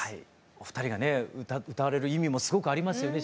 お二人がね歌われる意味もすごくありますよね